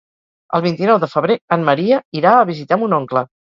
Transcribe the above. El vint-i-nou de febrer en Maria irà a visitar mon oncle.